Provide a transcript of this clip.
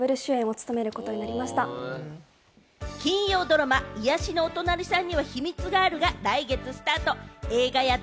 金曜ドラマ『癒やしのお隣さんには秘密がある』が来月スタート。